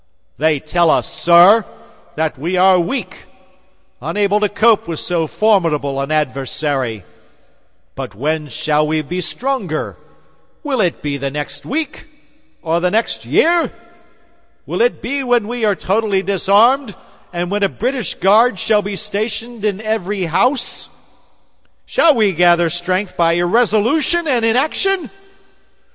They tell us, sir, that we are weak; unable to cope with so formidable an adversary. But when shall we be stronger? Will it be the next week, or the next year? Will it be when we are totally disarmed, and when a British guard shall be stationed in every house? Shall we gather strength by irresolution and inaction?